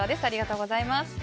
ありがとうございます。